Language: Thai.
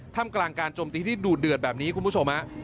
ทำกลางการจมตีที่ดูดเดือดแบบนี้คุณผู้ชมฮะ